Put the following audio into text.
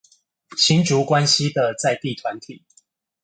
新竹關西的在地團體